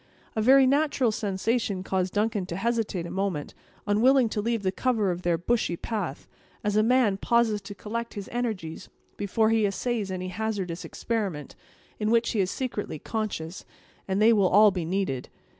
A very natural sensation caused Duncan to hesitate a moment, unwilling to leave the cover of their bushy path, as a man pauses to collect his energies before he essays any hazardous experiment, in which he is secretly conscious they will all be needed.